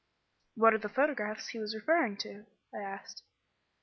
"What are the photographs he was referring to?" I asked.